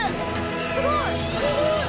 すごいすごい！